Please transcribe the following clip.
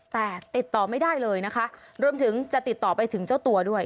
แต่ติดต่อไม่ได้เลยนะคะรวมถึงจะติดต่อไปถึงเจ้าตัวด้วย